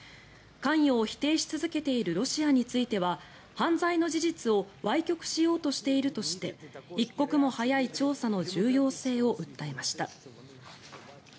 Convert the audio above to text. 関与を否定し続けているロシアについては犯罪の事実をわい曲しようとしているとして一刻も早い調査の重要性を訴えました。